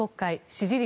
支持率